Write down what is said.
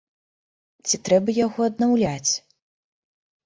Ці трэба яго аднаўляць?